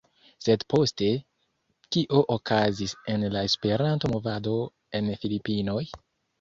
Sed poste, kio okazis en la Esperanto-Movado en Filipinoj?